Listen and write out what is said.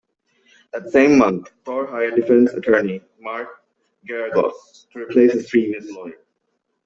That same month, Thor hired defense attorney Mark Geragos, to replace his previous lawyer.